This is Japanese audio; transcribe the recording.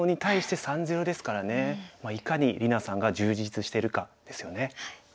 まあいかに里菜さんが充実してるかですよね。